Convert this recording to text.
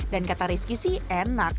dan kata rizky sih enak